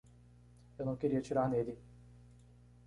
Eu não queria atirar nele.